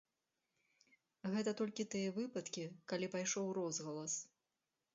Гэта толькі тыя выпадкі, калі пайшоў розгалас.